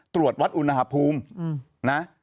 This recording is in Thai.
ตรวจวัดอุณหภูมินะ